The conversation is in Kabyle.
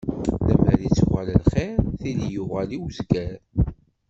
Lemmer ittuɣal lxiṛ, tili yuɣal i uzger.